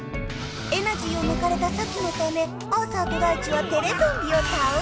エナジーをぬかれたサキのためアーサーとダイチはテレゾンビをたおした！